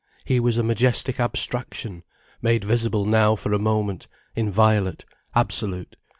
He was a majestic Abstraction, made visible now for a moment, inviolate, absolute.